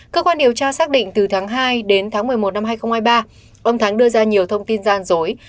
cơ quan điều tra xác định từ tháng hai đến tháng một mươi một năm hai nghìn hai mươi ba ông thắng đưa ra nhiều thông tin gian dối